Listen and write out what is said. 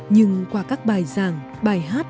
nhưng qua các bài giảng bài hát